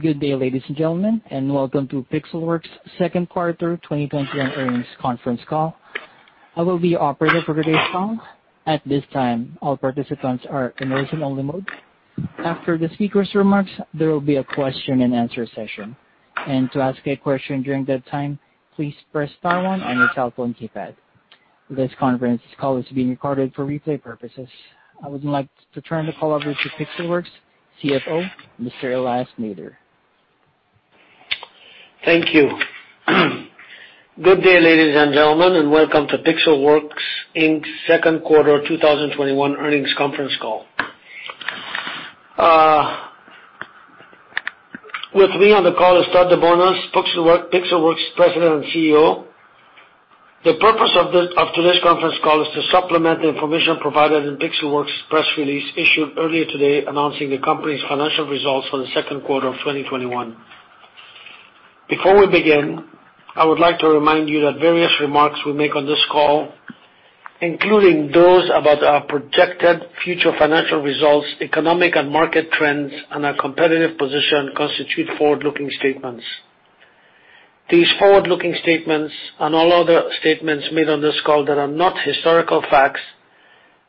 Good day, ladies and gentlemen, and welcome to Pixelworks' second quarter 2021 earnings conference call. I will be your operator for today's call. At this time, all participants are in listen-only mode. After the speakers' remarks, there will be a question and answer session. To ask a question during that time, please press star 1 on your telephone keypad. This conference call is being recorded for replay purposes. I would like to turn the call over to Pixelworks' CFO, Mr. Elias Nader. Thank you. Good day, ladies and gentlemen, and welcome to Pixelworks, Inc.'s second quarter 2021 earnings conference call. With me on the call is Todd DeBonis, Pixelworks' President and CEO. The purpose of today's conference call is to supplement the information provided in Pixelworks' press release issued earlier today announcing the company's financial results for the second quarter of 2021. Before we begin, I would like to remind you that various remarks we make on this call, including those about our projected future financial results, economic and market trends, and our competitive position, constitute forward-looking statements. These forward-looking statements, and all other statements made on this call that are not historical facts,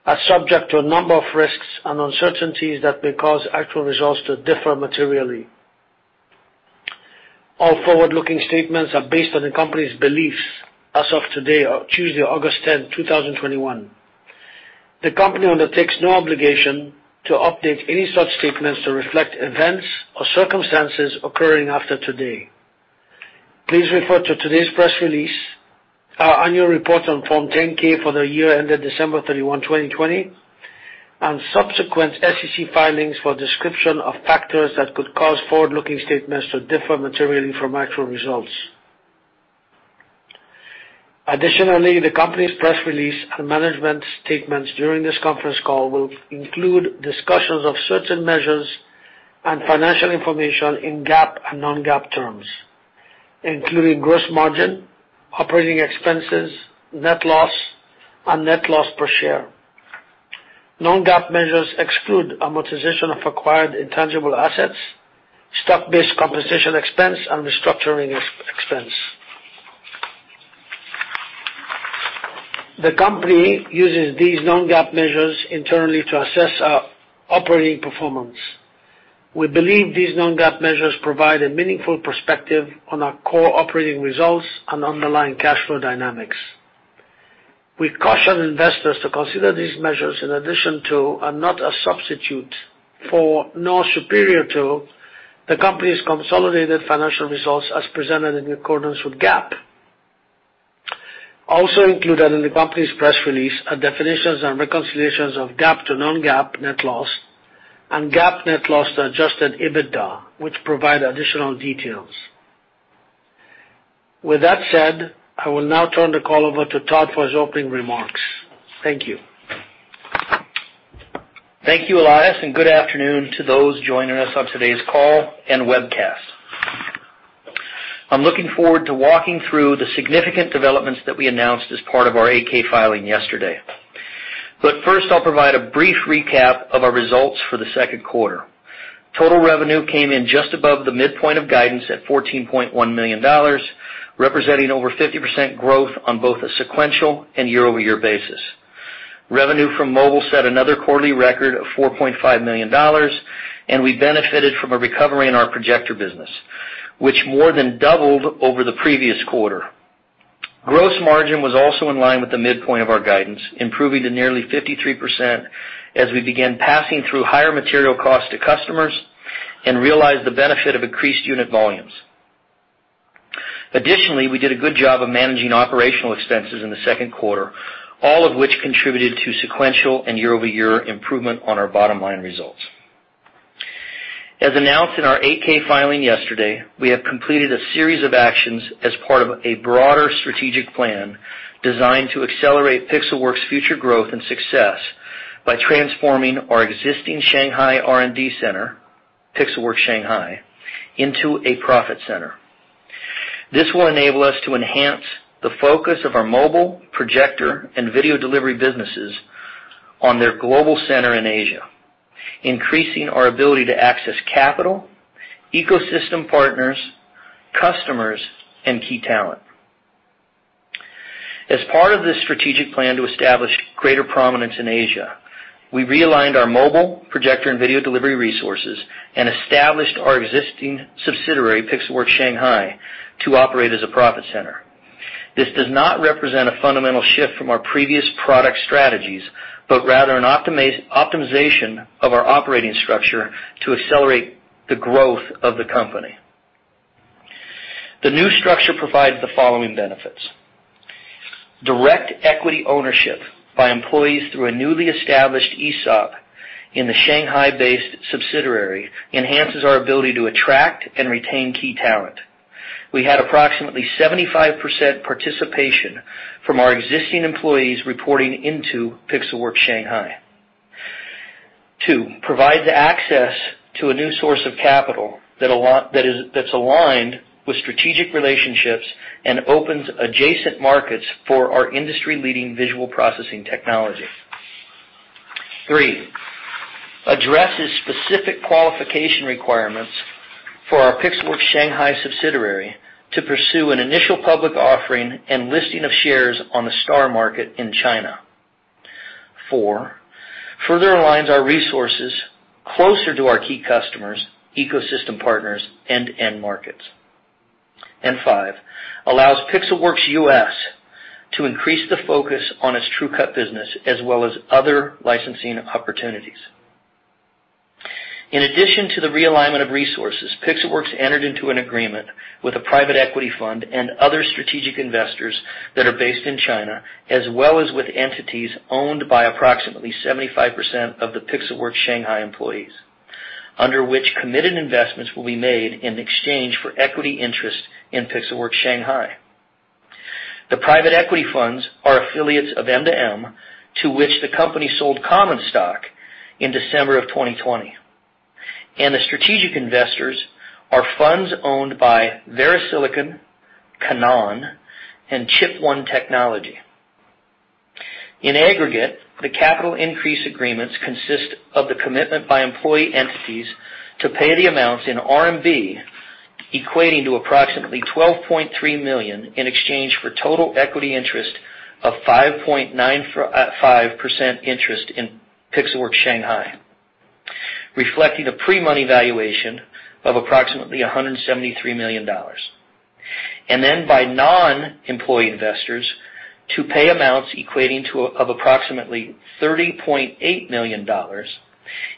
are subject to a number of risks and uncertainties that may cause actual results to differ materially. All forward-looking statements are based on the company's beliefs as of today, Tuesday, August 10, 2021. The company undertakes no obligation to update any such statements to reflect events or circumstances occurring after today. Please refer to today's press release, our annual report on Form 10-K for the year ended December 31, 2020, and subsequent SEC filings for description of factors that could cause forward-looking statements to differ materially from actual results. Additionally, the company's press release and management's statements during this conference call will include discussions of certain measures and financial information in GAAP and non-GAAP terms, including gross margin, operating expenses, net loss, and net loss per share. Non-GAAP measures exclude amortization of acquired intangible assets, stock-based compensation expense, and restructuring expense. The company uses these non-GAAP measures internally to assess our operating performance. We believe these non-GAAP measures provide a meaningful perspective on our core operating results and underlying cash flow dynamics. We caution investors to consider these measures in addition to, and not a substitute for, nor superior to, the company's consolidated financial results as presented in accordance with GAAP. Also included in the company's press release are definitions and reconciliations of GAAP to non-GAAP net loss and GAAP net loss to adjusted EBITDA, which provide additional details. With that said, I will now turn the call over to Todd for his opening remarks. Thank you. Thank you, Elias, and good afternoon to those joining us on today's call and webcast. I'm looking forward to walking through the significant developments that we announced as part of our 8-K filing yesterday. First, I'll provide a brief recap of our results for the second quarter. Total revenue came in just above the midpoint of guidance at $14.1 million, representing over 50% growth on both a sequential and year-over-year basis. Revenue from mobile set another quarterly record of $4.5 million, and we benefited from a recovery in our projector business, which more than doubled over the previous quarter. Gross margin was also in line with the midpoint of our guidance, improving to nearly 53% as we began passing through higher material costs to customers and realized the benefit of increased unit volumes. Additionally, we did a good job of managing operational expenses in the second quarter, all of which contributed to sequential and year-over-year improvement on our bottom-line results. As announced in our 8-K filing yesterday, we have completed a series of actions as part of a broader strategic plan designed to accelerate Pixelworks' future growth and success by transforming our existing Shanghai R&D center, Pixelworks Shanghai, into a profit center. This will enable us to enhance the focus of our mobile, projector, and video delivery businesses on their global center in Asia, increasing our ability to access capital, ecosystem partners, customers, and key talent. As part of this strategic plan to establish greater prominence in Asia, we realigned our mobile, projector, and video delivery resources and established our existing subsidiary, Pixelworks Shanghai, to operate as a profit center. This does not represent a fundamental shift from our previous product strategies, but rather an optimization of our operating structure to accelerate the growth of the company. The new structure provides the following benefits. Direct equity ownership by employees through a newly established ESOP in the Shanghai-based subsidiary enhances our ability to attract and retain key talent. We had approximately 75% participation from our existing employees reporting into Pixelworks Shanghai. Two. provides access to a new source of capital that's aligned with strategic relationships and opens adjacent markets for our industry-leading visual processing technology. Three. addresses specific qualification requirements for our Pixelworks Shanghai subsidiary to pursue an initial public offering and listing of shares on the Star Market in China. Four. further aligns our resources closer to our key customers, ecosystem partners, end-to-end markets. Five, allows Pixelworks US to increase the focus on its TrueCut business as well as other licensing opportunities. In addition to the realignment of resources, Pixelworks entered into an agreement with a private equity fund and other strategic investors that are based in China, as well as with entities owned by approximately 75% of the Pixelworks Shanghai employees, under which committed investments will be made in exchange for equity interest in Pixelworks Shanghai. The private equity funds are affiliates of MTM, to which the company sold common stock in December of 2020, and the strategic investors are funds owned by VeriSilicon, Canaan, and Chipone Technology. In aggregate, the capital increase agreements consist of the commitment by employee entities to pay the amounts in RMB equating to approximately 12.3 million in exchange for total equity interest of 5.95% interest in Pixelworks Shanghai, reflecting a pre-money valuation of approximately $173 million. By non-employee investors to pay amounts equating to approximately $30.8 million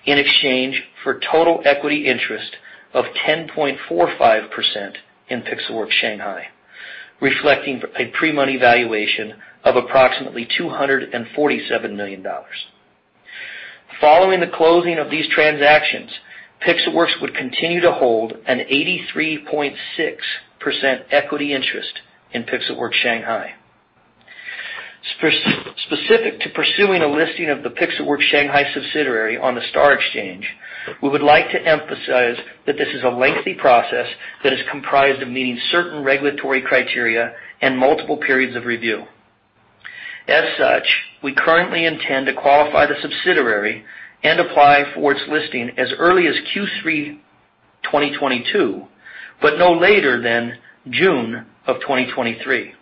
in exchange for total equity interest of 10.45% in Pixelworks Shanghai, reflecting a pre-money valuation of approximately $247 million. Following the closing of these transactions, Pixelworks would continue to hold an 83.6% equity interest in Pixelworks Shanghai. Specific to pursuing a listing of the Pixelworks Shanghai subsidiary on the STAR Exchange, we would like to emphasize that this is a lengthy process that is comprised of meeting certain regulatory criteria and multiple periods of review. As such, we currently intend to qualify the subsidiary and apply for its listing as early as Q3 2022, but no later than June of 2023.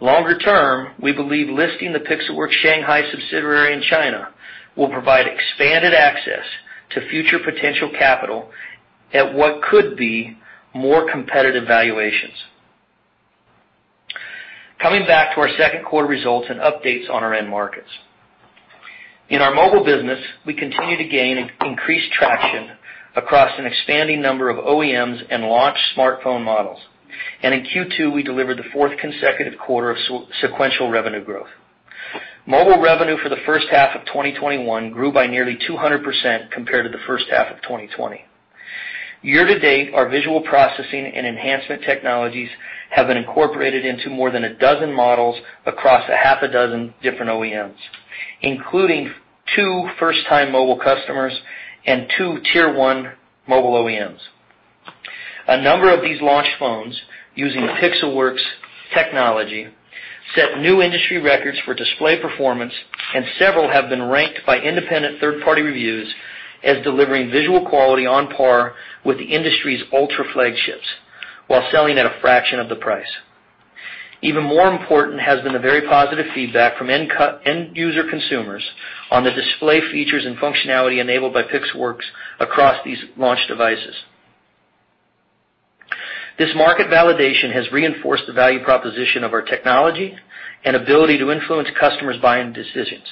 Longer term, we believe listing the Pixelworks Shanghai subsidiary in China will provide expanded access to future potential capital at what could be more competitive valuations. Coming back to our second quarter results and updates on our end markets. In our mobile business, we continue to gain increased traction across an expanding number of OEMs and launch smartphone models. In Q2, we delivered the fourth consecutive quarter of sequential revenue growth. Mobile revenue for the first half of 2021 grew by nearly 200% compared to the first half of 2020. Year to date, our visual processing and enhancement technologies have been incorporated into more than 12 models across six different OEMs, including two first-time mobile customers and two Tier 1 mobile OEMs. A number of these launch phones using Pixelworks technology set new industry records for display performance, and several have been ranked by independent third-party reviews as delivering visual quality on par with the industry's ultra flagships, while selling at a fraction of the price. Even more important has been the very positive feedback from end user consumers on the display features and functionality enabled by Pixelworks across these launch devices. This market validation has reinforced the value proposition of our technology and ability to influence customers' buying decisions,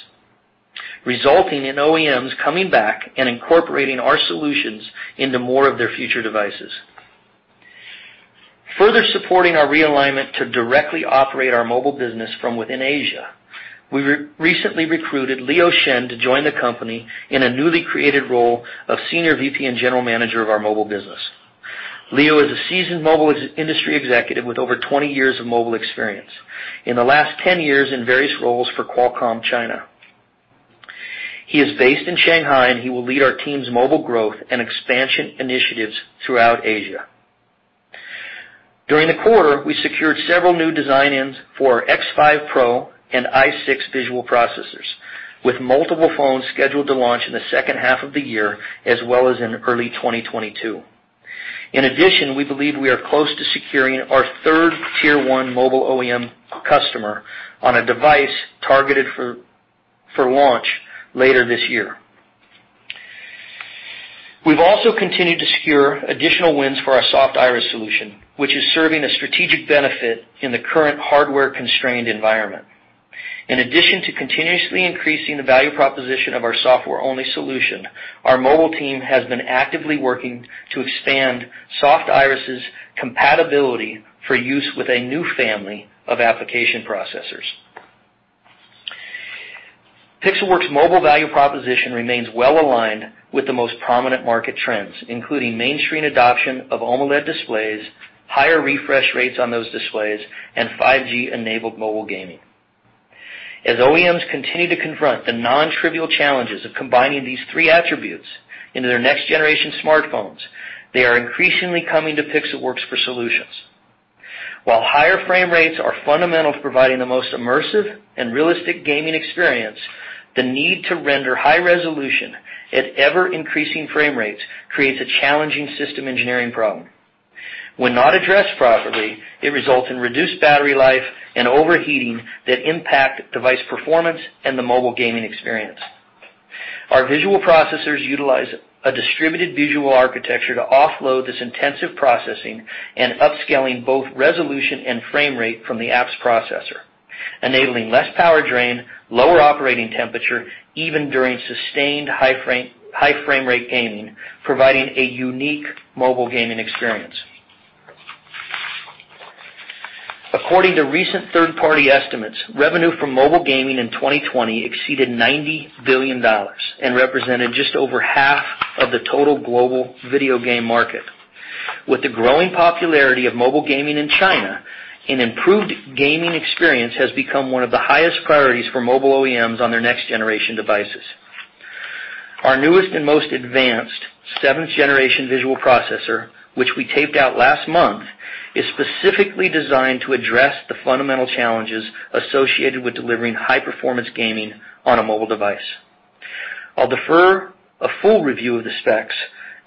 resulting in OEMs coming back and incorporating our solutions into more of their future devices. Further supporting our realignment to directly operate our mobile business from within Asia, we recently recruited Leo Shen to join the company in a newly created role of Senior VP and General Manager of our mobile business. Leo is a seasoned mobile industry executive with over 20 years of mobile experience, in the last 10 years in various roles for Qualcomm China. He is based in Shanghai. He will lead our team's mobile growth and expansion initiatives throughout Asia. During the quarter, we secured several new design-ins for our X5 Pro and i6 visual processors, with multiple phones scheduled to launch in the second half of the year, as well as in early 2022. In addition, we believe we are close to securing our third Tier-1 mobile OEM customer on a device targeted for launch later this year. We've also continued to secure additional wins for our SoftIris solution, which is serving a strategic benefit in the current hardware-constrained environment. In addition to continuously increasing the value proposition of our software-only solution, our mobile team has been actively working to expand SoftIris' compatibility for use with a new family of application processors. Pixelworks mobile value proposition remains well aligned with the most prominent market trends, including mainstream adoption of OLED displays, higher refresh rates on those displays, and 5G-enabled mobile gaming. As OEMs continue to confront the non-trivial challenges of combining these three attributes into their next-generation smartphones, they are increasingly coming to Pixelworks for solutions. Higher frame rates are fundamental to providing the most immersive and realistic gaming experience, the need to render high-resolution at ever-increasing frame rates creates a challenging system engineering problem. When not addressed properly, it results in reduced battery life and overheating that impact device performance and the mobile gaming experience. Our visual processors utilize a distributed visual architecture to offload this intensive processing and upscaling both resolution and frame rate from the apps processor, enabling less power drain, lower operating temperature, even during sustained high-frame-rate gaming, providing a unique mobile gaming experience. According to recent third-party estimates, revenue from mobile gaming in 2020 exceeded $90 billion and represented just over half of the total global video game market. With the growing popularity of mobile gaming in China, an improved gaming experience has become one of the highest priorities for mobile OEMs on their next-generation devices. Our newest and most advanced 7th-generation visual processor, which we taped out last month, is specifically designed to address the fundamental challenges associated with delivering high-performance gaming on a mobile device. I will defer a full review of the specs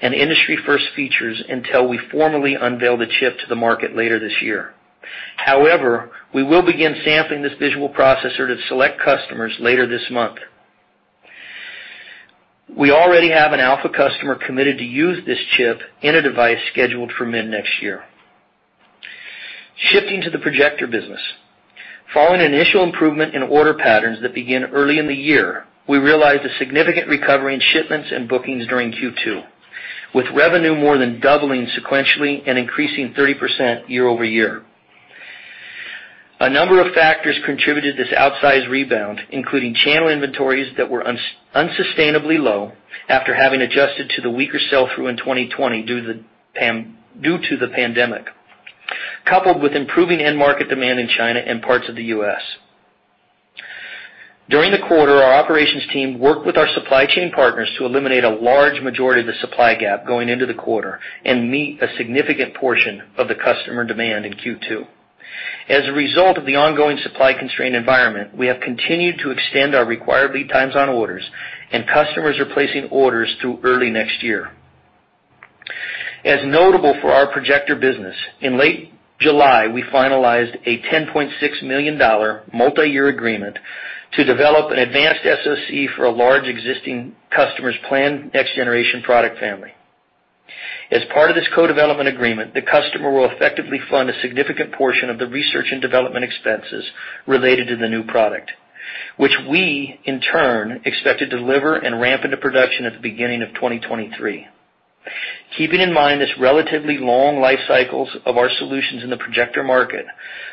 and industry first features until we formally unveil the chip to the market later this year. However, we will begin sampling this visual processor to select customers later this month. We already have an alpha customer committed to use this chip in a device scheduled for mid-next year. Shifting to the projector business. Following initial improvement in order patterns that began early in the year, we realized a significant recovery in shipments and bookings during Q2, with revenue more than doubling sequentially and increasing 30% year-over-year. A number of factors contributed to this outsized rebound, including channel inventories that were unsustainably low after having adjusted to the weaker sell-through in 2020 due to the pandemic, coupled with improving end market demand in China and parts of the U.S. During the quarter, our operations team worked with our supply chain partners to eliminate a large majority of the supply gap going into the quarter and meet a significant portion of the customer demand in Q2. As a result of the ongoing supply constraint environment, we have continued to extend our required lead times on orders, and customers are placing orders through early next year. As notable for our projector business, in late July, we finalized a $10.6 million multi-year agreement to develop an advanced SoC for a large existing customer's planned next-generation product family. As part of this co-development agreement, the customer will effectively fund a significant portion of the research and development expenses related to the new product, which we, in turn, expect to deliver and ramp into production at the beginning of 2023. Keeping in mind this relatively long life cycles of our solutions in the projector market,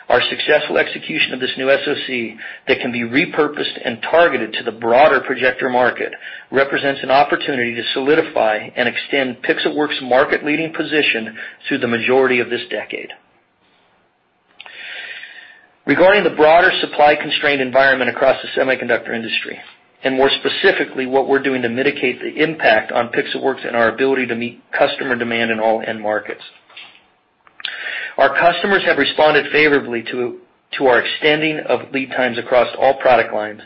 our successful execution of this new SoC that can be repurposed and targeted to the broader projector market represents an opportunity to solidify and extend Pixelworks' market leading position through the majority of this decade. Regarding the broader supply constraint environment across the semiconductor industry, and more specifically, what we're doing to mitigate the impact on Pixelworks and our ability to meet customer demand in all end markets. Our customers have responded favorably to our extending of lead times across all product lines,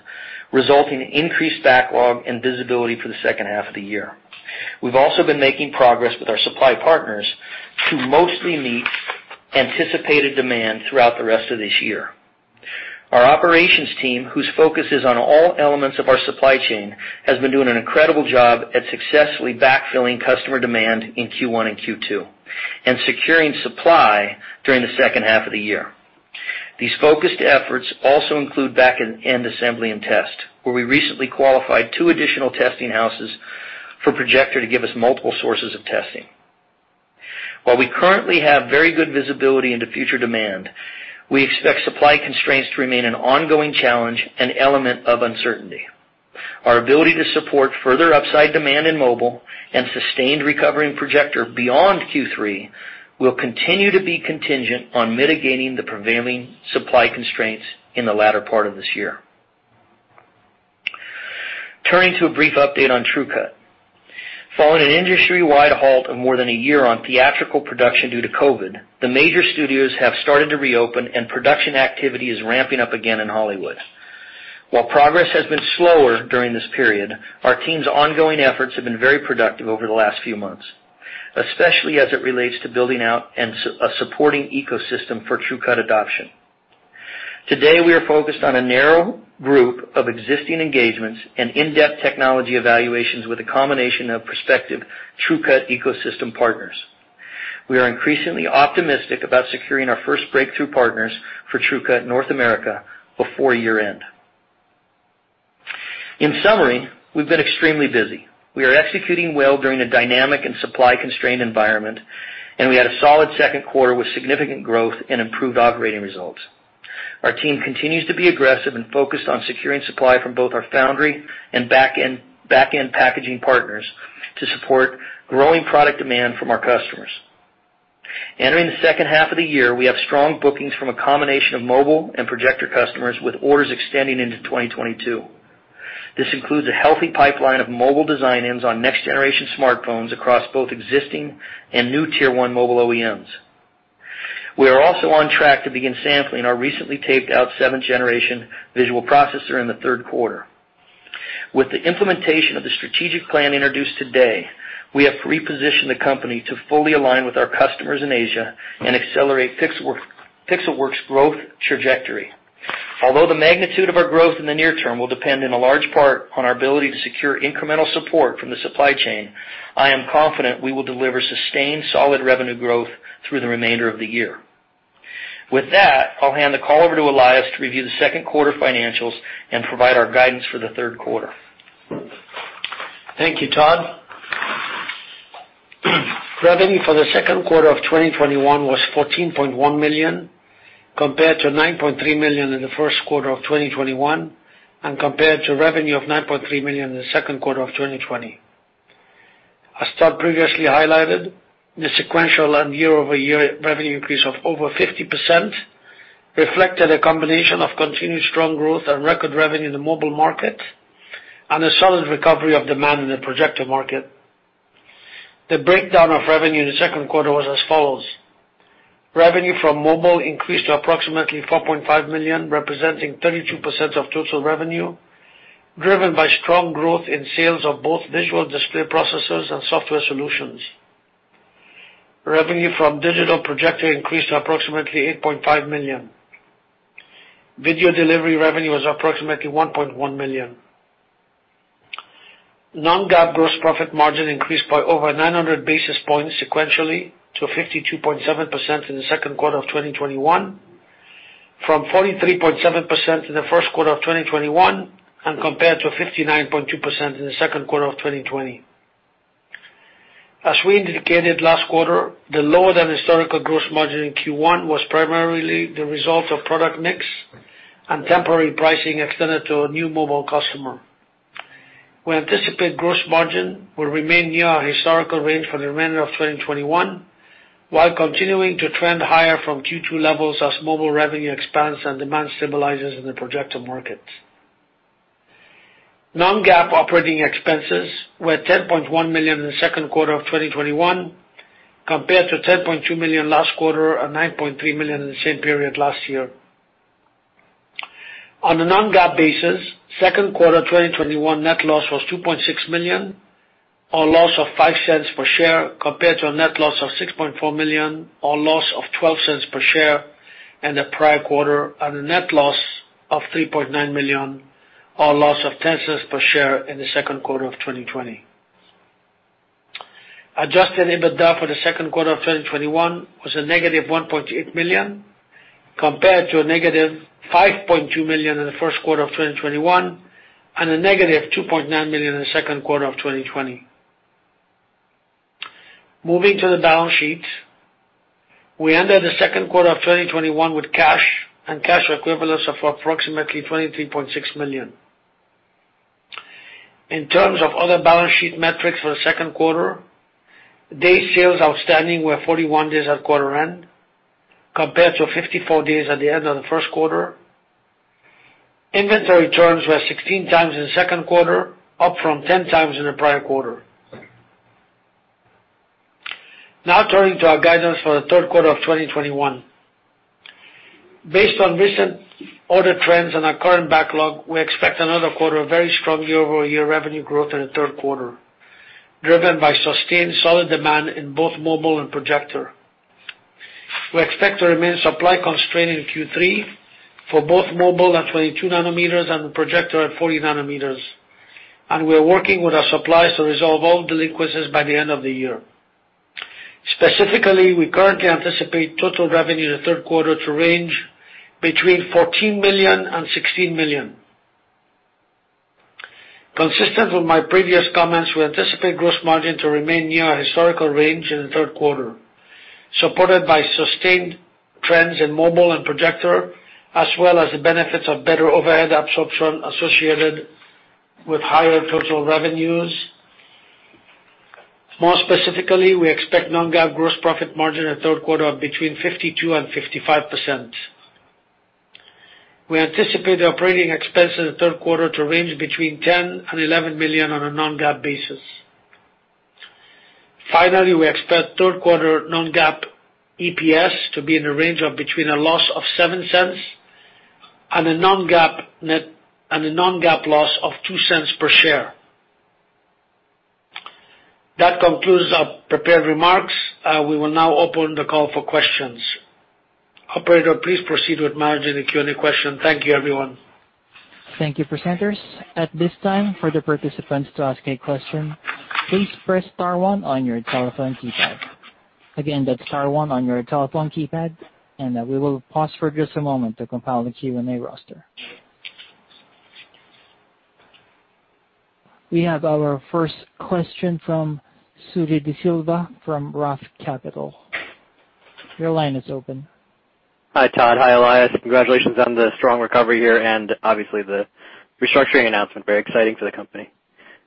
resulting in increased backlog and visibility for the second half of the year. We've also been making progress with our supply partners to mostly meet anticipated demand throughout the rest of this year. Our operations team, whose focus is on all elements of our supply chain, has been doing an incredible job at successfully backfilling customer demand in Q1 and Q2 and securing supply during the second half of the year. These focused efforts also include back and end assembly and test, where we recently qualified two additional testing houses for projector to give us multiple sources of testing. While we currently have very good visibility into future demand, we expect supply constraints to remain an ongoing challenge, an element of uncertainty. Our ability to support further upside demand in mobile and sustained recovery in projector beyond Q3 will continue to be contingent on mitigating the prevailing supply constraints in the latter part of this year. Turning to a brief update on TrueCut. Following an industry-wide halt of more than a year on theatrical production due to COVID, the major studios have started to reopen, and production activity is ramping up again in Hollywood. While progress has been slower during this period, our team's ongoing efforts have been very productive over the last few months, especially as it relates to building out a supporting ecosystem for TrueCut adoption. Today, we are focused on a narrow group of existing engagements and in-depth technology evaluations with a combination of prospective TrueCut ecosystem partners. We are increasingly optimistic about securing our first breakthrough partners for TrueCut North America before year-end. In summary, we've been extremely busy. We are executing well during a dynamic and supply-constrained environment, and we had a solid second quarter with significant growth and improved operating results. Our team continues to be aggressive and focused on securing supply from both our foundry and back-end packaging partners to support growing product demand from our customers. Entering the second half of the year, we have strong bookings from a combination of mobile and projector customers with orders extending into 2022. This includes a healthy pipeline of mobile design-ins on next-generation smartphones across both existing and new Tier 1 mobile OEMs. We are also on track to begin sampling our recently taped-out 7th-generation visual processor in the third quarter. With the implementation of the strategic plan introduced today, we have repositioned the company to fully align with our customers in Asia and accelerate Pixelworks' growth trajectory. Although the magnitude of our growth in the near term will depend in a large part on our ability to secure incremental support from the supply chain, I am confident we will deliver sustained solid revenue growth through the remainder of the year. With that, I'll hand the call over to Elias to review the 2nd quarter financials and provide our guidance for the third quarter. Thank you, Todd. Revenue for the second quarter of 2021 was $14.1 million, compared to $9.3 million in the first quarter of 2021, and compared to revenue of $9.3 million in the second quarter of 2020. As Todd previously highlighted, the sequential and year-over-year revenue increase of over 50% reflected a combination of continued strong growth and record revenue in the mobile market and a solid recovery of demand in the projector market. The breakdown of revenue in the second quarter was as follows: revenue from mobile increased to approximately $4.5 million, representing 32% of total revenue, driven by strong growth in sales of both visual display processors and software solutions. Revenue from digital projector increased to approximately $8.5 million. Video delivery revenue was approximately $1.1 million. Non-GAAP gross profit margin increased by over 900 basis points sequentially to 52.7% in the second quarter of 2021 from 43.7% in the first quarter of 2021 and compared to 59.2% in the second quarter of 2020. As we indicated last quarter, the lower-than-historical gross margin in Q1 was primarily the result of product mix and temporary pricing extended to a new mobile customer. We anticipate gross margin will remain near our historical range for the remainder of 2021, while continuing to trend higher from Q2 levels as mobile revenue expands and demand stabilizes in the projector market. Non-GAAP operating expenses were $10.1 million in the second quarter of 2021 compared to $10.2 million last quarter and $9.3 million in the same period last year. On a non-GAAP basis, second quarter 2021 net loss was $2.6 million or a loss of $0.05 per share compared to a net loss of $6.4 million or a loss of $0.12 per share in the prior quarter and a net loss of $3.9 million or a loss of $0.10 per share in the second quarter of 2020. Adjusted EBITDA for the second quarter of 2021 was a negative $1.8 million compared to a negative $5.2 million in the first quarter of 2021 and a negative $2.9 million in the second quarter of 2020. Moving to the balance sheet. We ended the second quarter of 2021 with cash and cash equivalents of approximately $23.6 million. In terms of other balance sheet metrics for the second quarter, day sales outstanding were 41 days at quarter end compared to 54 days at the end of the first quarter. Inventory turns were 16 times in the second quarter, up from 10 times in the prior quarter. Turning to our guidance for the third quarter of 2021. Based on recent order trends and our current backlog, we expect another quarter of very strong year-over-year revenue growth in the third quarter, driven by sustained solid demand in both mobile and projector. We expect to remain supply-constrained in Q3 for both mobile at 22 nanometers and the projector at 40nm, and we are working with our suppliers to resolve all delinquencies by the end of the year. Specifically, we currently anticipate total revenue in the third quarter to range between $14 million and $16 million. Consistent with my previous comments, we anticipate gross margin to remain near our historical range in the third quarter, supported by sustained trends in mobile and projector, as well as the benefits of better overhead absorption associated with higher total revenues. More specifically, we expect non-GAAP gross profit margin in the third quarter of between 52% and 55%. We anticipate operating expenses in the third quarter to range between $10 million and $11 million on a non-GAAP basis. Finally, we expect third quarter non-GAAP EPS to be in the range of between a loss of $0.07 and a non-GAAP loss of $0.02 per share. That concludes our prepared remarks. We will now open the call for questions. Operator, please proceed with managing the Q&A question. Thank you, everyone. Thank you, presenters. At this time, for the participants to ask a question, please press star one on your telephone keypad. Again, that's star one on your telephone keypad, and we will pause for just a moment to compile the Q&A roster. We have our first question from Suji Desilva from Roth Capital. Your line is open. Hi, Todd. Hi, Elias. Congratulations on the strong recovery here and obviously the restructuring announcement. Very exciting for the company.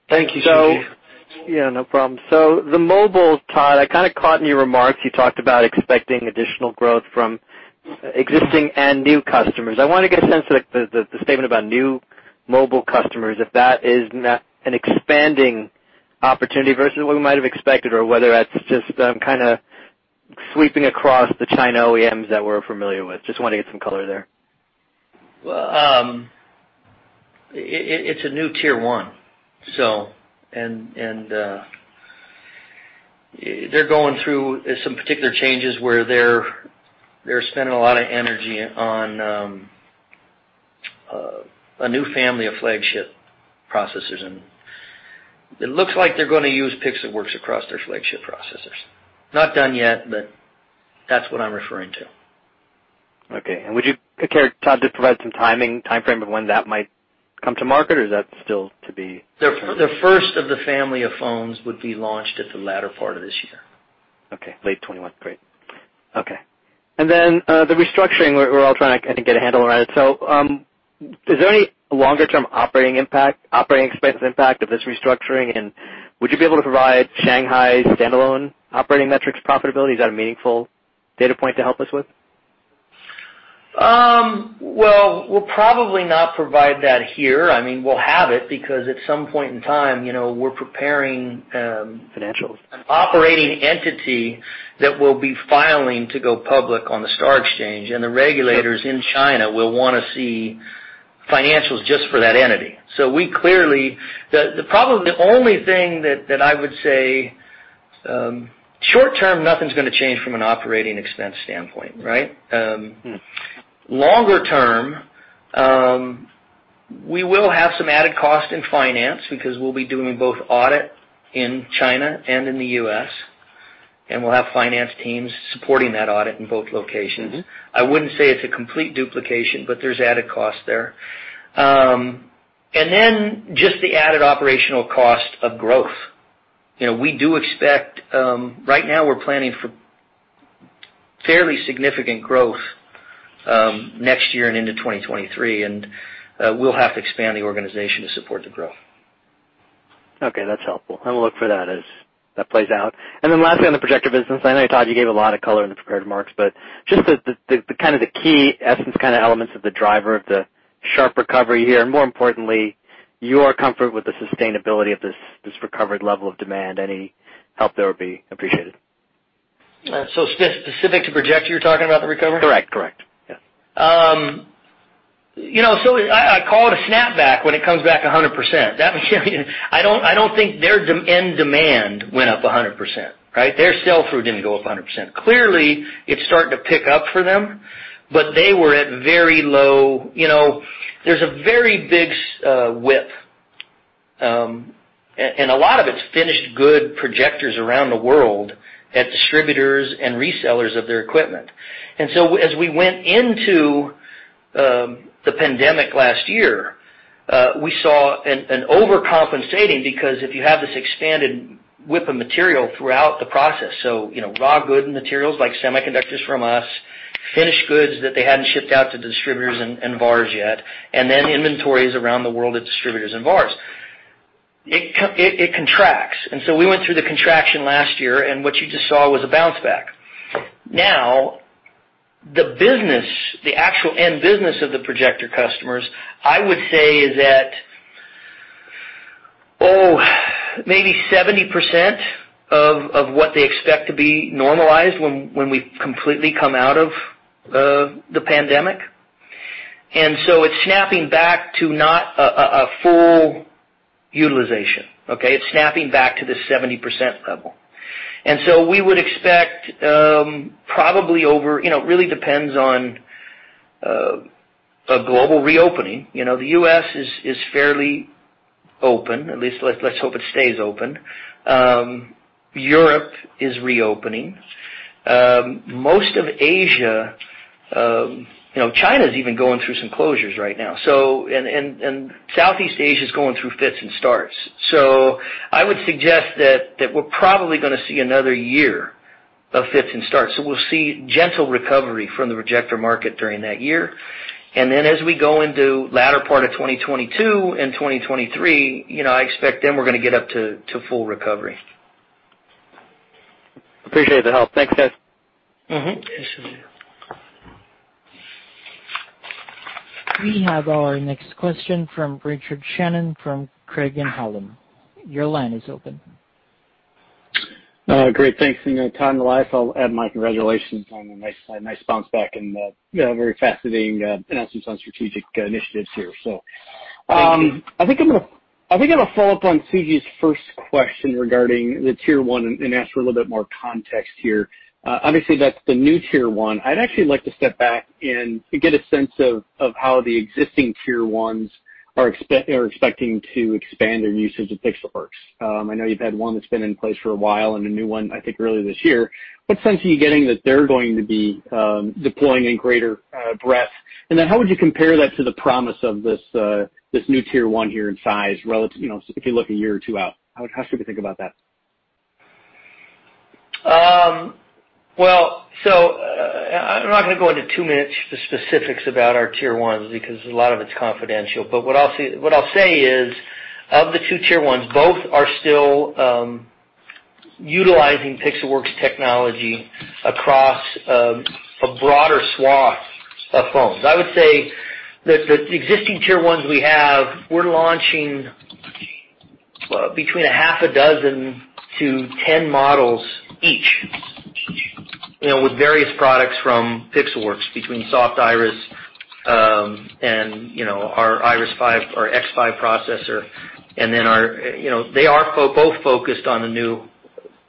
Thank you, Suji. Yeah, no problem. The mobile, Todd, I kind of caught in your remarks, you talked about expecting additional growth from existing and new customers. I want to get a sense of the statement about new mobile customers, if that is an expanding opportunity versus what we might have expected or whether that's just kind of sweeping across the China OEMs that we're familiar with. Just want to get some color there. Well, it's a new Tier 1. They're going through some particular changes where they're spending a lot of energy on a new family of flagship processors, it looks like they're going to use Pixelworks across their flagship processors. That's what I'm referring to. Okay. Would you care, Todd, just provide some timeframe of when that might come to market or is that still to be? The first of the family of phones would be launched at the latter part of this year. Okay. Late 2021. Great. Okay. Then, the restructuring, we're all trying to, I think, get a handle around it. Is there any longer-term operating expense impact of this restructuring, and would you be able to provide Shanghai standalone operating metrics profitability? Is that a meaningful data point to help us with? Well, we'll probably not provide that here. I mean, we'll have it because at some point in time. Financials An operating entity that will be filing to go public on the STAR Exchange, and the regulators in China will want to see financials just for that entity. Probably the only thing that I would say, short term, nothing's going to change from an operating expense standpoint, right? Longer term, we will have some added cost in finance because we'll be doing both audit in China and in the U.S., and we'll have finance teams supporting that audit in both locations. I wouldn't say it's a complete duplication, but there's added cost there. Just the added operational cost of growth. Right now we're planning for fairly significant growth next year and into 2023, and we'll have to expand the organization to support the growth. Okay, that's helpful, and we'll look for that as that plays out. Then lastly, on the projector business, I know, Todd, you gave a lot of color in the prepared remarks, but just the kind of the key essence kind of elements of the driver of the sharp recovery here, and more importantly, your comfort with the sustainability of this recovered level of demand. Any help there would be appreciated. Specific to projector, you're talking about the recovery? Correct. Yeah. I call it a snapback when it comes back 100%. I don't think their end demand went up 100%, right? Their sell-through didn't go up 100%. Clearly, it's starting to pick up for them, but there's a very big WIP, and a lot of it's finished good projectors around the world at distributors and resellers of their equipment. As we went into the pandemic last year, we saw an overcompensating because if you have this expanded WIP of material throughout the process, raw good materials like semiconductors from us, finished goods that they hadn't shipped out to distributors and VARs yet, and then inventories around the world at distributors and VARs. It contracts. We went through the contraction last year, and what you just saw was a bounce back. The business, the actual end business of the projector customers, I would say is at maybe 70% of what they expect to be normalized when we've completely come out of the pandemic. It's snapping back to not a full utilization. It's snapping back to the 70% level. We would expect probably over. It really depends on a global reopening. The U.S. is fairly open, at least let's hope it stays open. Europe is reopening. Most of Asia, China's even going through some closures right now. Southeast Asia is going through fits and starts. I would suggest that we're probably going to see another year of fits and starts. We'll see gentle recovery from the projector market during that year. As we go into latter part of 2022 and 2023, I expect then we're going to get up to full recovery. Appreciate the help. Thanks, Todd. This is here. We have our next question from Richard Shannon from Craig-Hallum. Your line is open. Great. Thanks. Todd, I'll add my congratulations on the nice bounce back and the very fascinating announcements on strategic initiatives here. Thank you. I think I'm going to follow up on Suji's first question regarding the Tier 1 and ask for a little bit more context here. Obviously, that's the new Tier 1. I'd actually like to step back and get a sense of how the existing Tier 1 are expecting to expand their usage of Pixelworks. I know you've had one that's been in place for a while and a new one, I think, earlier this year. What sense are you getting that they're going to be deploying in greater breadth? How would you compare that to the promise of this new Tier 1 here in size if you look a year or two out? How should we think about that? I'm not going to go into too many specifics about our Tier 1s because a lot of it's confidential. What I'll say is, of the two Tier 1s, both are still utilizing Pixelworks technology across a broader swath of phones. I would say that the existing Tier 1s we have, we're launching between a half a dozen to 10 models each, with various products from Pixelworks between Soft Iris and our Iris 5 or X5 processor. They are both focused on the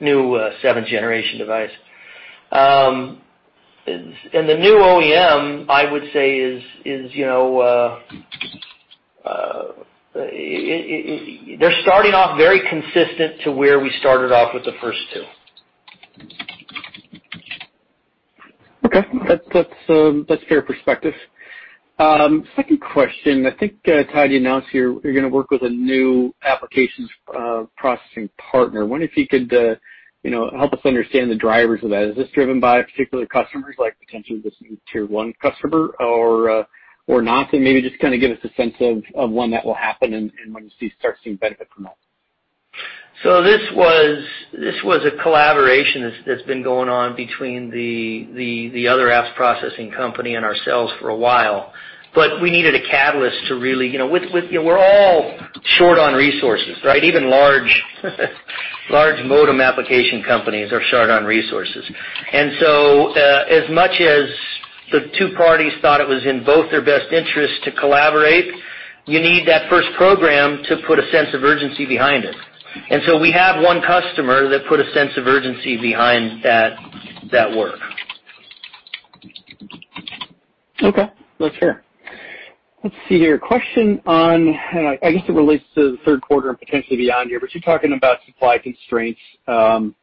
new seventh-generation device. The new OEM, I would say, they're starting off very consistent to where we started off with the first two. Okay. That's fair perspective. Second question. I think, Todd, you announced here you're going to work with a new applications processing partner. I wonder if you could help us understand the drivers of that. Is this driven by particular customers, like potentially this new Tier 1 customer or not? Maybe just kind of give us a sense of when that will happen and when you start seeing benefit from that. This was a collaboration that's been going on between the other apps processing company and ourselves for a while. We needed a catalyst. We're all short on resources, right? Even large modem application companies are short on resources. As much as the two parties thought it was in both their best interest to collaborate, you need that 1st program to put a sense of urgency behind it. We have one customer that put a sense of urgency behind that work. Okay. That's fair. Let's see here. Question on, I guess it relates to the third quarter and potentially beyond here, but you're talking about supply constraints. Any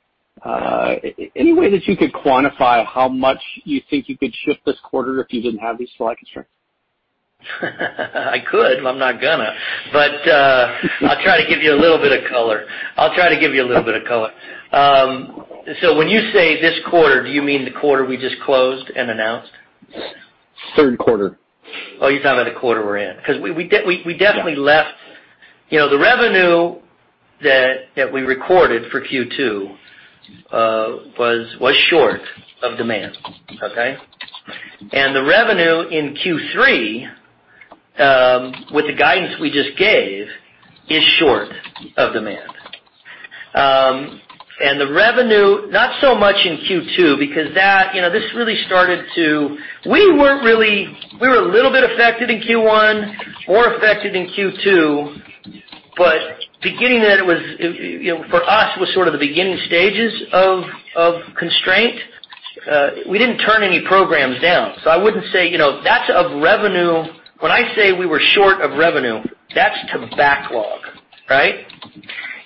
way that you could quantify how much you think you could ship this quarter if you didn't have these supply constraints? I could, but I'm not gonna. I'll try to give you a little bit of color. When you say this quarter, do you mean the quarter we just closed and announced? Third quarter. Oh, you're talking about the quarter we're in. Yeah. The revenue that we recorded for Q2 was short of demand. Okay. The revenue in Q3, with the guidance we just gave, is short of demand. The revenue, not so much in Q2, because this really We were a little bit affected in Q1, more affected in Q2, but for us, it was sort of the beginning stages of constraint. We didn't turn any programs down, so I wouldn't say That's of revenue. When I say we were short of revenue, that's to backlog, right.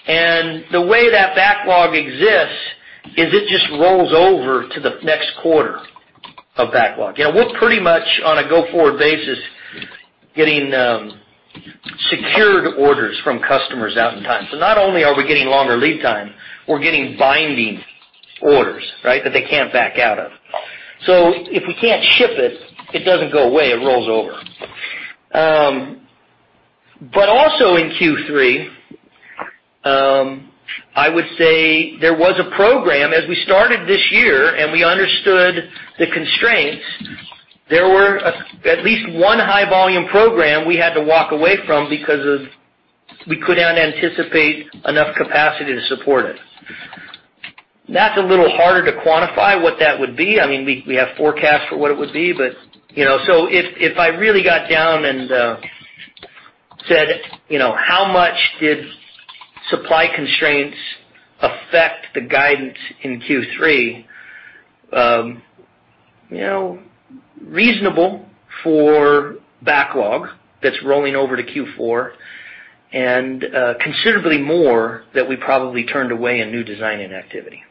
The way that backlog exists is it just rolls over to the next quarter of backlog. We're pretty much, on a go-forward basis, getting secured orders from customers out in time. Not only are we getting longer lead time, we're getting binding orders that they can't back out of. If we can't ship it doesn't go away, it rolls over. Also in Q3, I would say there was a program as we started this year, and we understood the constraints, there were at least one high-volume program we had to walk away from because we couldn't anticipate enough capacity to support it. That's a little harder to quantify what that would be. We have forecasts for what it would be. If I really got down and said, how much did supply constraints affect the guidance in Q3? Reasonable for backlog that's rolling over to Q4 and considerably more that we probably turned away in new design-in activity.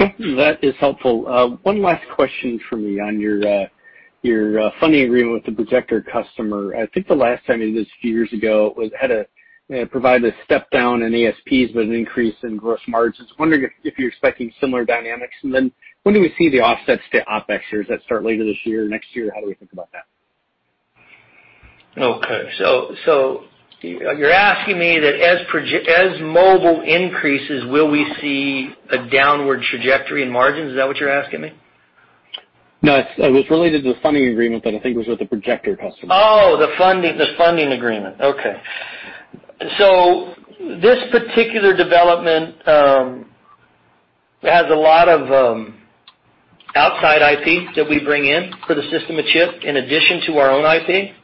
Okay. That is helpful. One last question from me on your funding agreement with the projector customer. I think the last time, it was a few years ago, it had provided a step down in ASPs with an increase in gross margins. Wondering if you're expecting similar dynamics, and then when do we see the offsets to OpEx here? Is that start later this year or next year? How do we think about that? Okay. You're asking me that as mobile increases, will we see a downward trajectory in margins? Is that what you're asking me? No. It was related to the funding agreement that I think was with the projector customer. The funding agreement. Okay. This particular development has a lot of outside IP that we bring in for the SoC in addition to our own IP.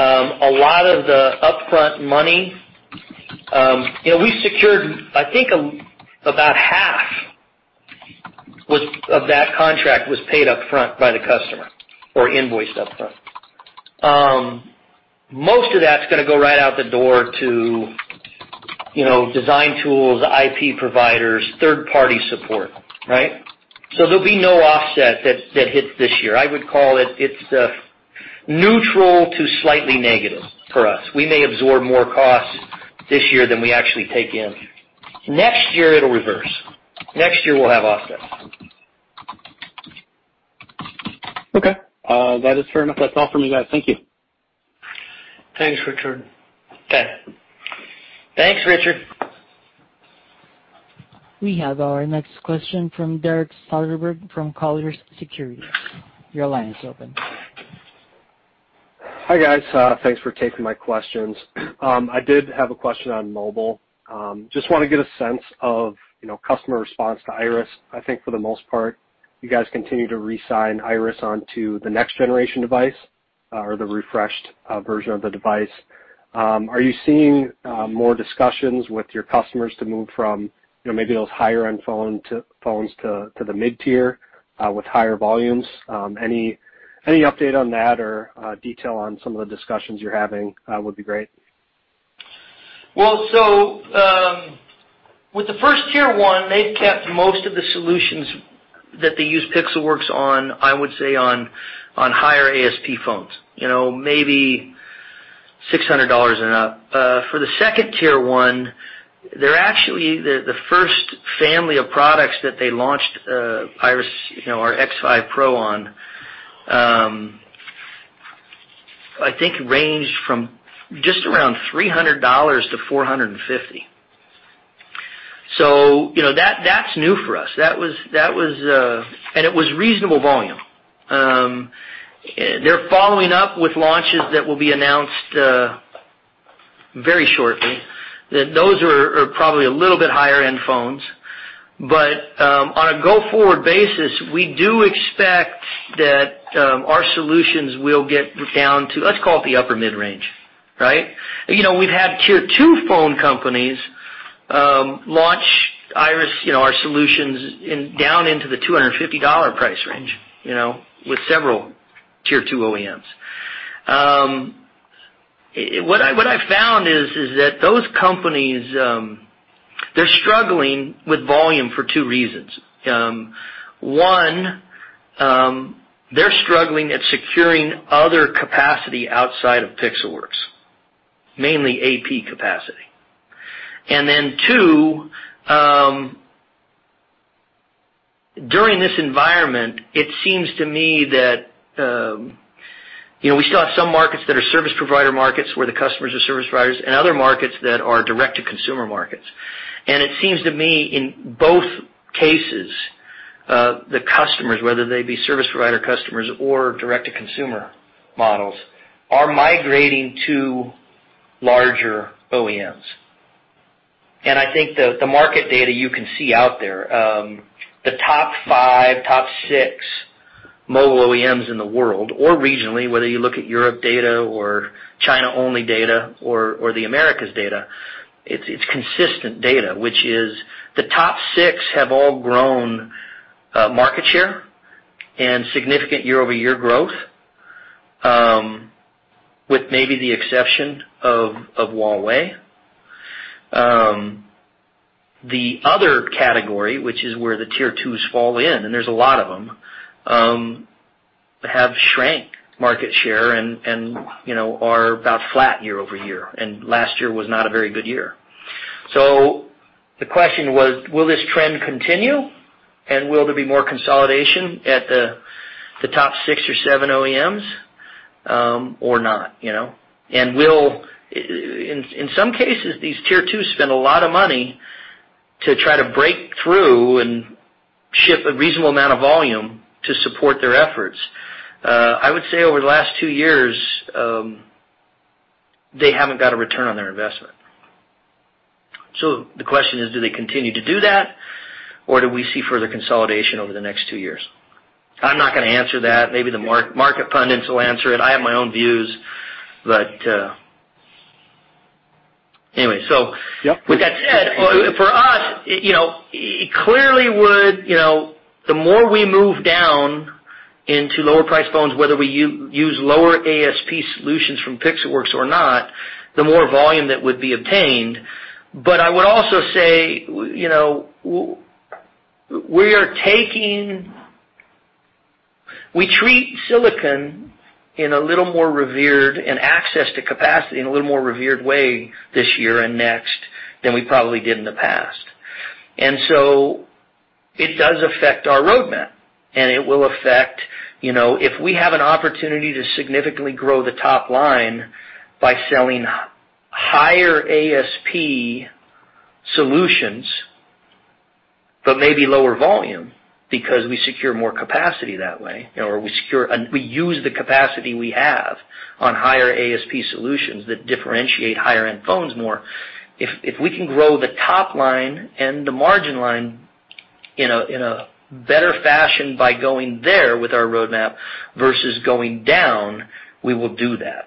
A lot of the upfront money we secured, I think, about half of that contract was paid up front by the customer or invoiced up front. Most of that's going to go right out the door to design tools, IP providers, third-party support. Right? There'll be no offset that hits this year. I would call it it's a neutral to slightly negative for us. We may absorb more costs this year than we actually take in. Next year it'll reverse. Next year we'll have offsets. Okay. That is fair enough. That's all from me, guys. Thank you. Thanks, Richard. Okay. Thanks, Richard. We have our next question from Derek Soderberg from Colliers Securities. Your line is open. Hi, guys. Thanks for taking my questions. I did have a question on mobile. Just want to get a sense of customer response to Iris. I think for the most part, you guys continue to reassign Iris onto the next generation device or the refreshed version of the device. Are you seeing more discussions with your customers to move from maybe those higher-end phones to the mid-tier with higher volumes? Any update on that or detail on some of the discussions you're having would be great. With the first Tier 1, they've kept most of the solutions that they use Pixelworks on, I would say on higher ASP phones, maybe $600 and up. For the second Tier 1, they're actually the first family of products that they launched Iris or X5 Pro on. I think range from just around $300-$450. That's new for us. It was reasonable volume. They're following up with launches that will be announced very shortly, that those are probably a little bit higher-end phones. On a go-forward basis, we do expect that our solutions will get down to, let's call it the upper mid-range. Right? We've had Tier 2 phone companies launch Iris, our solutions down into the $250 price range with several Tier 2 OEMs. What I've found is that those companies, they're struggling with volume for two reasons. One, they're struggling at securing other capacity outside of Pixelworks, mainly AP capacity. Two, during this environment, it seems to me that we still have some markets that are service provider markets, where the customers are service providers, and other markets that are direct-to-consumer markets. It seems to me in both cases, the customers, whether they be service provider customers or direct-to-consumer models, are migrating to larger OEMs. I think the market data you can see out there, the top five, top six mobile OEMs in the world or regionally, whether you look at Europe data or China-only data or the Americas data, it's consistent data, which is the top six have all grown market share and significant year-over-year growth, with maybe the exception of Huawei. The other category, which is where the Tier 2s fall in, and there's a lot of them, have shrank market share and are about flat year-over-year. Last year was not a very good year. The question was, will this trend continue? Will there be more consolidation at the top 6 or 7 OEMs or not? In some cases, these Tier 2s spend a lot of money to try to break through and ship a reasonable amount of volume to support their efforts. I would say over the last two years, they haven't got a return on their investment. The question is, do they continue to do that, or do we see further consolidation over the next two years? I'm not gonna answer that. Maybe the market pundits will answer it. I have my own views, anyway. Yep. With that said, for us, it clearly would, the more we move down into lower priced phones, whether we use lower ASP solutions from Pixelworks or not, the more volume that would be obtained. I would also say, we treat silicon in a little more revered and access to capacity in a little more revered way this year and next than we probably did in the past. It does affect our roadmap, and it will affect if we have an opportunity to significantly grow the top line by selling higher ASP solutions, but maybe lower volume because we secure more capacity that way, or we use the capacity we have on higher ASP solutions that differentiate higher-end phones more. If we can grow the top line and the margin line in a better fashion by going there with our roadmap versus going down, we will do that.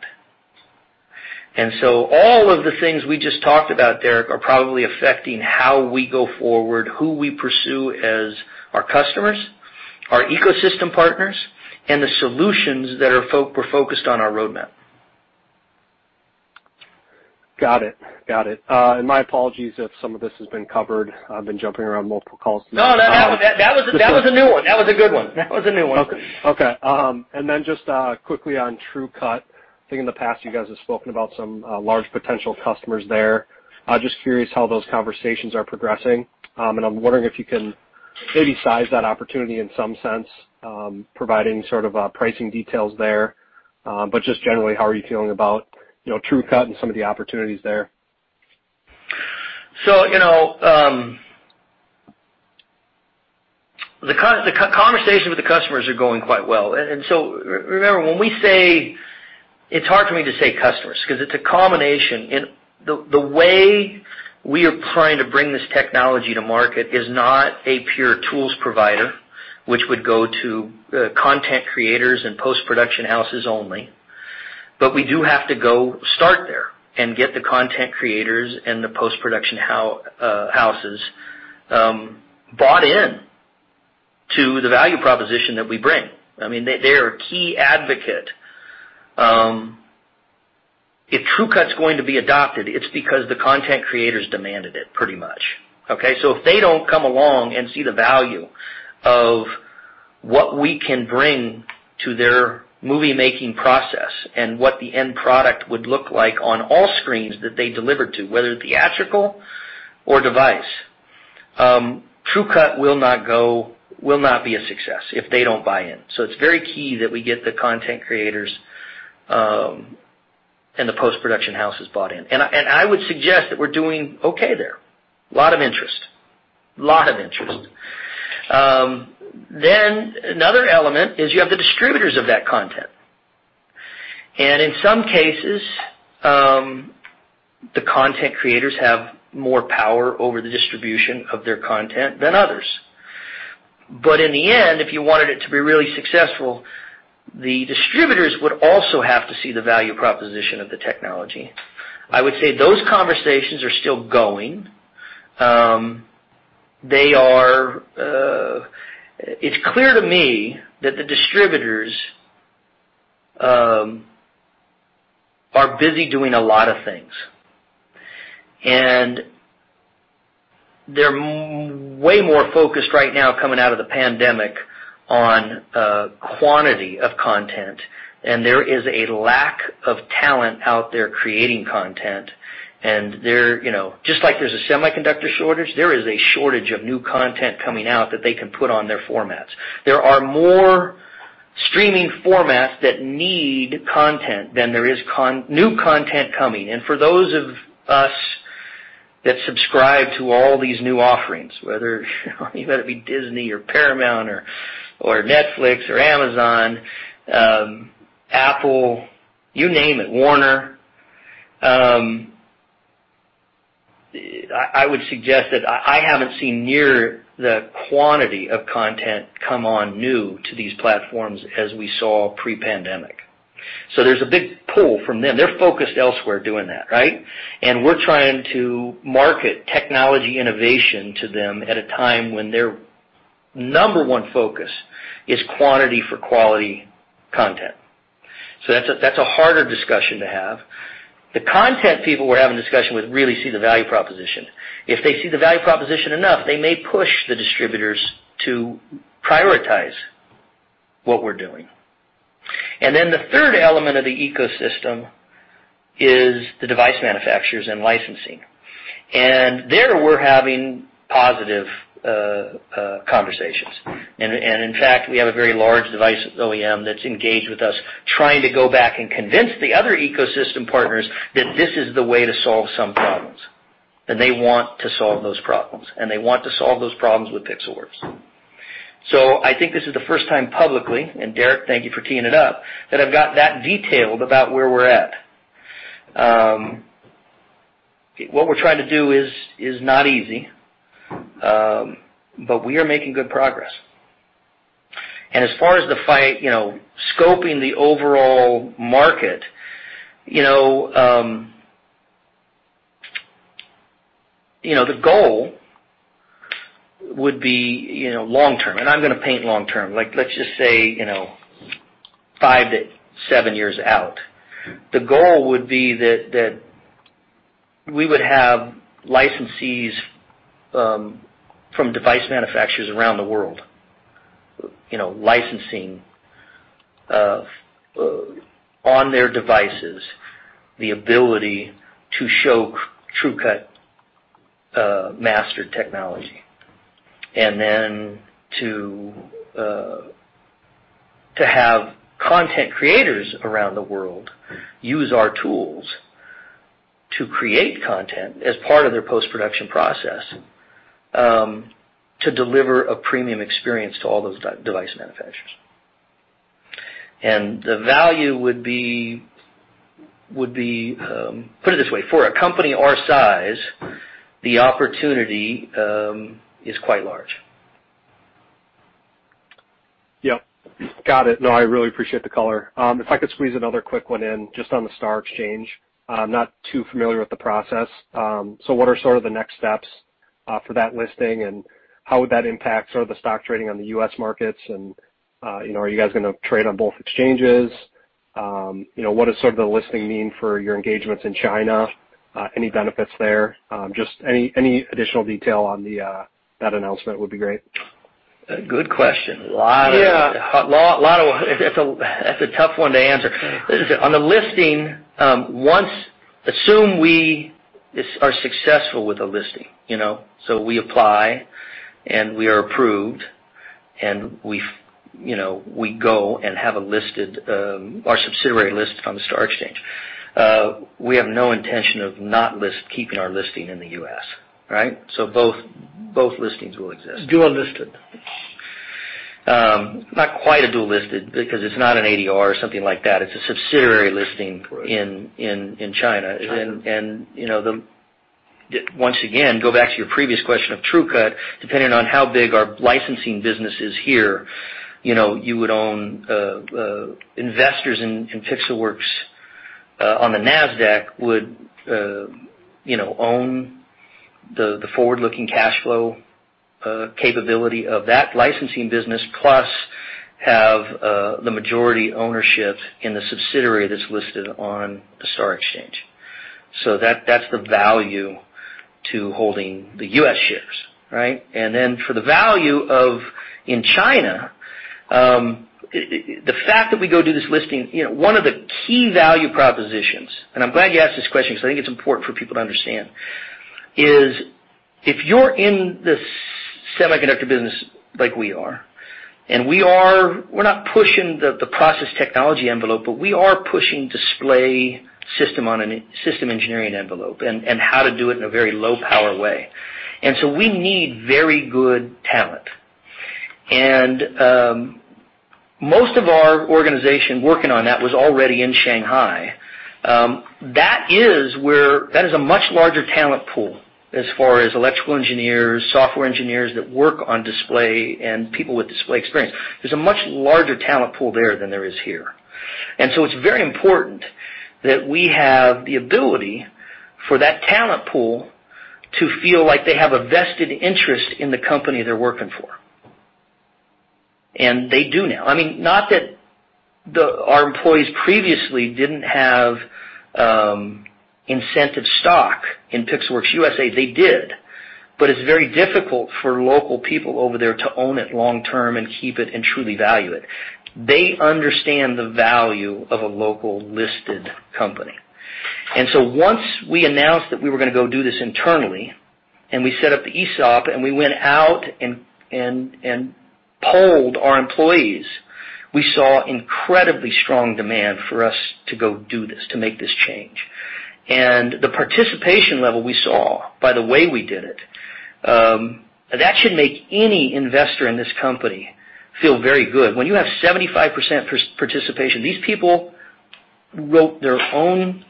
All of the things we just talked about, Derek, are probably affecting how we go forward, who we pursue as our customers, our ecosystem partners, and the solutions that we're focused on our roadmap. Got it. My apologies if some of this has been covered. I've been jumping around multiple calls. No, that was a new one. That was a good one. That was a new one. Okay. Just quickly on TrueCut, I think in the past, you guys have spoken about some large potential customers there. Just curious how those conversations are progressing. I'm wondering if you can maybe size that opportunity in some sense, providing sort of pricing details there. Just generally, how are you feeling about TrueCut and some of the opportunities there? The conversations with the customers are going quite well. Remember, it's hard for me to say customers, because it's a combination. The way we are trying to bring this technology to market is not a pure tools provider, which would go to content creators and post-production houses only. We do have to go start there and get the content creators and the post-production houses bought in to the value proposition that we bring. They are a key advocate. If TrueCut's going to be adopted, it's because the content creators demanded it pretty much. Okay. If they don't come along and see the value of what we can bring to their movie-making process and what the end product would look like on all screens that they deliver to, whether theatrical or device, TrueCut will not be a success if they don't buy in. It's very key that we get the content creators and the post-production houses bought in. I would suggest that we're doing okay there. A lot of interest. Another element is you have the distributors of that content. In some cases, the content creators have more power over the distribution of their content than others. In the end, if you wanted it to be really successful, the distributors would also have to see the value proposition of the technology. I would say those conversations are still going. It's clear to me that the distributors are busy doing a lot of things. They're way more focused right now coming out of the pandemic on quantity of content, and there is a lack of talent out there creating content. Just like there's a semiconductor shortage, there is a shortage of new content coming out that they can put on their formats. There are more streaming formats that need content than there is new content coming. For those of us that subscribe to all these new offerings, whether it be Disney or Paramount or Netflix or Amazon, Apple, you name it, Warner. I would suggest that I haven't seen near the quantity of content come on new to these platforms as we saw pre-pandemic. There's a big pull from them. They're focused elsewhere doing that, right? We're trying to market technology innovation to them at a time when their number one focus is quantity for quality content. That's a harder discussion to have. The content people we're having a discussion with really see the value proposition. If they see the value proposition enough, they may push the distributors to prioritize what we're doing. Then the third element of the ecosystem is the device manufacturers and licensing. There, we're having positive conversations. In fact, we have a very large device OEM that's engaged with us, trying to go back and convince the other ecosystem partners that this is the way to solve some problems, that they want to solve those problems, and they want to solve those problems with Pixelworks. I think this is the first time publicly, and Derek Soderberg, thank you for teeing it up, that I've got that detailed about where we're at. What we're trying to do is not easy, but we are making good progress. As far as the fight, scoping the overall market, the goal would be long-term, I'm going to paint long-term, let's just say five to seven years out. The goal would be that we would have licensees from device manufacturers around the world licensing on their devices the ability to show TrueCut master technology. Then to have content creators around the world use our tools to create content as part of their post-production process to deliver a premium experience to all those device manufacturers. Put it this way, for a company our size, the opportunity is quite large. Yep. Got it. No, I really appreciate the color. If I could squeeze another quick one in, just on the STAR Exchange. I'm not too familiar with the process. What are sort of the next steps for that listing, and how would that impact sort of the stock trading on the U.S. markets, and are you guys going to trade on both exchanges? What does sort of the listing mean for your engagements in China? Any benefits there? Just any additional detail on that announcement would be great. Good question. Yeah. That's a tough one to answer. On the listing, assume we are successful with the listing. We apply, and we are approved, and we go and have our subsidiary listed on the STAR Exchange. We have no intention of not keeping our listing in the U.S., right? Both listings will exist. Dual-listed. Not quite a dual-listed because it's not an ADR or something like that. It's a subsidiary listing. Right in China. China. Once again, go back to your previous question of TrueCut, depending on how big our licensing business is here, investors in Pixelworks on the Nasdaq would own the forward-looking cash flow capability of that licensing business, plus have the majority ownership in the subsidiary that's listed on the STAR Exchange. That's the value to holding the U.S. shares, right? Then for the value in China, the fact that we go do this listing, one of the key value propositions, and I'm glad you asked this question because I think it's important for people to understand, is if you're in the semiconductor business like we are, and we're not pushing the process technology envelope, but we are pushing display system engineering envelope and how to do it in a very low power way. We need very good talent. Most of our organization working on that was already in Shanghai. That is a much larger talent pool as far as electrical engineers, software engineers that work on display, and people with display experience. There's a much larger talent pool there than there is here. It's very important that we have the ability for that talent pool to feel like they have a vested interest in the company they're working for. They do now. Not that our employees previously didn't have incentive stock in Pixelworks US, they did, but it's very difficult for local people over there to own it long-term and keep it and truly value it. They understand the value of a local listed company. Once we announced that we were going to go do this internally, and we set up the ESOP and we went out and polled our employees, we saw incredibly strong demand for us to go do this, to make this change. The participation level we saw, by the way we did it, that should make any investor in this company feel very good. When you have 75% participation, these people wrote their own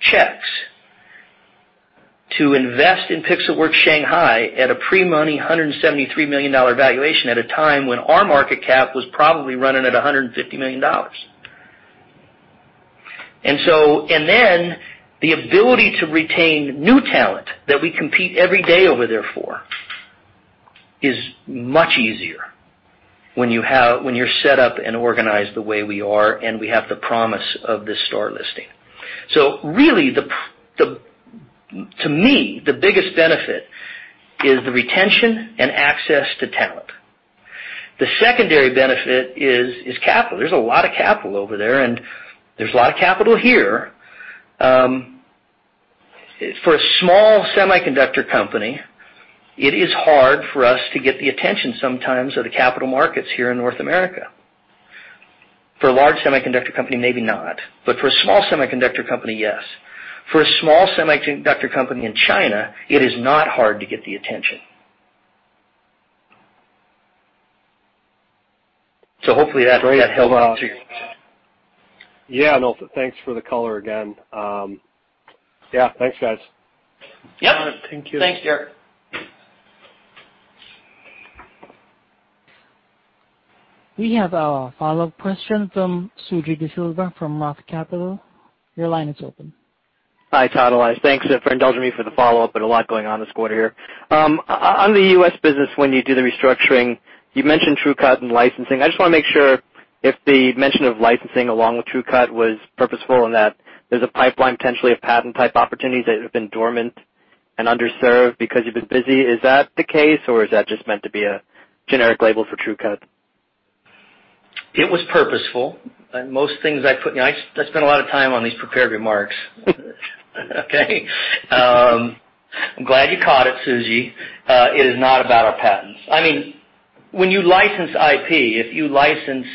checks to invest in Pixelworks Shanghai at a pre-money $173 million valuation at a time when our market cap was probably running at $150 million. The ability to retain new talent that we compete every day over there for is much easier when you're set up and organized the way we are, and we have the promise of this Star listing. Really, to me, the biggest benefit is the retention and access to talent. The secondary benefit is capital. There's a lot of capital over there, and there's a lot of capital here. For a small semiconductor company, it is hard for us to get the attention sometimes of the capital markets here in North America. For a large semiconductor company, maybe not. For a small semiconductor company, yes. For a small semiconductor company in China, it is not hard to get the attention. Hopefully that held on to your question. Yeah, no, thanks for the color again. Yeah, thanks, guys. Yep. All right. Thank you. Thanks, Derek. We have a follow-up question from Suji Desilva from Roth Capital. Your line is open. Hi, Todd Elias. Thanks for indulging me for the follow-up. Had a lot going on this quarter here. On the U.S. business, when you do the restructuring, you mentioned TrueCut and licensing. I just want to make sure if the mention of licensing along with TrueCut was purposeful in that there's a pipeline potentially of patent-type opportunities that have been dormant and underserved because you've been busy. Is that the case, or is that just meant to be a generic label for TrueCut? It was purposeful. I spent a lot of time on these prepared remarks. Okay? I'm glad you caught it, Suji. It is not about our patents. When you license IP, if you license,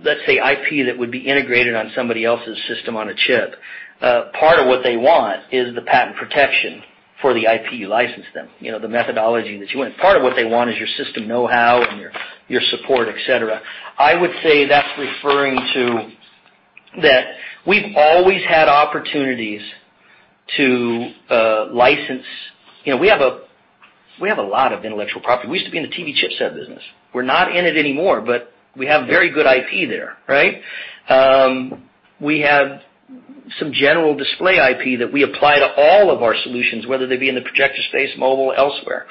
let's say, IP that would be integrated on somebody else's system on a chip, part of what they want is the patent protection for the IP you licensed them, the methodology that you want. Part of what they want is your system knowhow and your support, et cetera. I would say that's referring to that we've always had opportunities to license. We have a lot of intellectual property. We used to be in the TV chipset business. We're not in it anymore, but we have very good IP there, right? We have some general display IP that we apply to all of our solutions, whether they be in the projector space, mobile, elsewhere.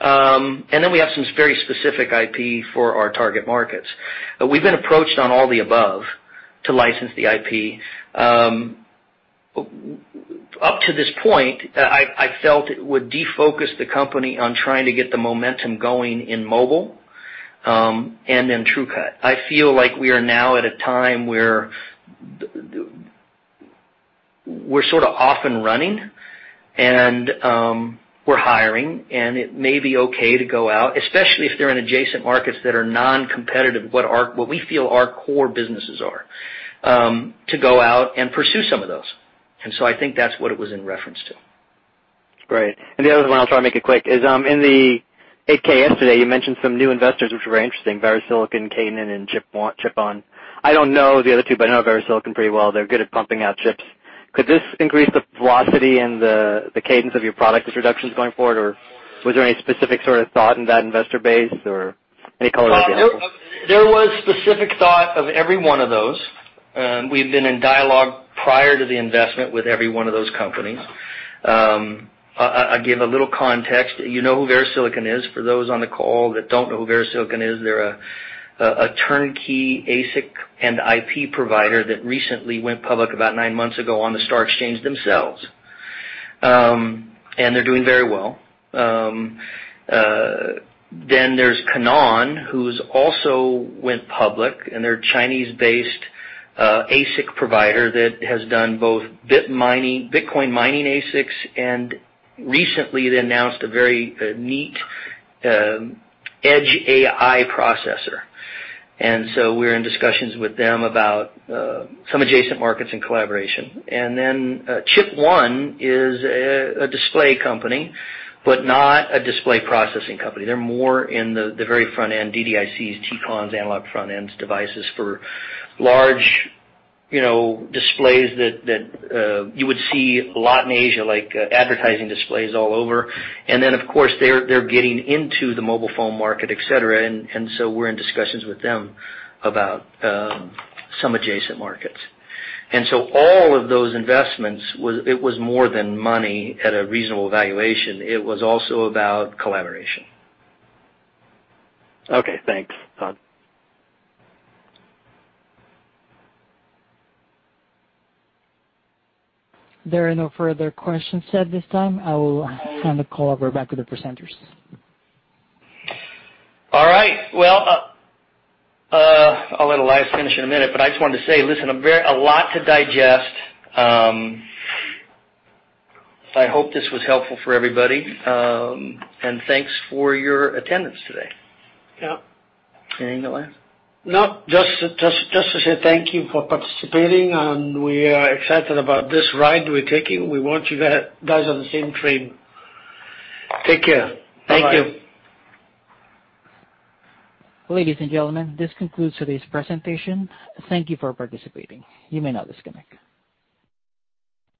We have some very specific IP for our target markets. We've been approached on all the above to license the IP. Up to this point, I felt it would defocus the company on trying to get the momentum going in mobile, and in TrueCut. I feel like we are now at a time where we're sort of off and running, and we're hiring, and it may be okay to go out, especially if they're in adjacent markets that are non-competitive, what we feel our core businesses are, to go out and pursue some of those. I think that's what it was in reference to. Great. The other one, I'll try to make it quick, is in the 8-K yesterday, you mentioned some new investors, which were very interesting, VeriSilicon, Canaan, and Chipone. I don't know the other two, I know VeriSilicon pretty well. They're good at pumping out chips. Could this increase the velocity and the cadence of your product introductions going forward? Was there any specific sort of thought in that investor base or any color you can give? There was specific thought of every one of those. We've been in dialogue prior to the investment with every one of those companies. I'll give a little context. You know who VeriSilicon is. For those on the call that don't know who VeriSilicon is, they're a turnkey ASIC and IP provider that recently went public about nine months ago on theSTAR Exchange themselves. They're doing very well. There's Canaan, who's also went public, and they're a Chinese-based ASIC provider that has done both Bitcoin mining ASICs, and recently they announced a very neat edge AI processor. We're in discussions with them about some adjacent markets and collaboration. Chipone is a display company, but not a display processing company. They're more in the very front end, DDICs, TCONs, analog front ends devices for large displays that you would see a lot in Asia, like advertising displays all over. Of course, they're getting into the mobile phone market, et cetera, and so we're in discussions with them about some adjacent markets. All of those investments, it was more than money at a reasonable valuation. It was also about collaboration. Okay, thanks, Todd. There are no further questions at this time. I will hand the call over back to the presenters. All right. Well, I will let Elias finish in a minute, but I just wanted to say, listen, a lot to digest. I hope this was helpful for everybody, and thanks for your attendance today. Yeah. Anything to add? No, just to say thank you for participating, and we are excited about this ride we're taking. We want you guys on the same train. Take care. Thank you. Bye-bye. Ladies and gentlemen, this concludes today's presentation. Thank you for participating. You may now disconnect.